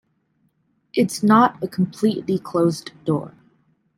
It's not a completely closed door.